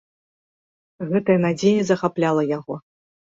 Гэтая надзея захапляла яго.